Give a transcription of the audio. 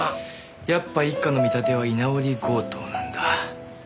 やっぱ一課の見立ては居直り強盗なんだ。